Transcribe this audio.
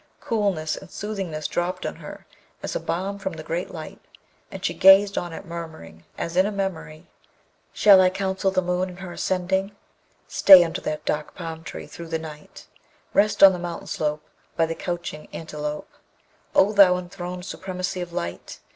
Coolness and soothingness dropped on her as a balm from the great light, and she gazed on it murmuring, as in a memory: Shall I counsel the moon in her ascending? Stay under that dark palm tree through the night, Rest on the mountain slope, By the couching antelope, O thou enthroned supremacy of light!